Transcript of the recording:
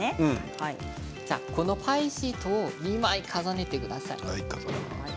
このパイシートを２枚、重ねてください。